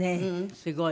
すごい。